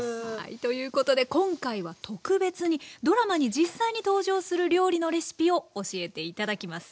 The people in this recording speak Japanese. ということで今回は特別にドラマに実際に登場する料理のレシピを教えて頂きます。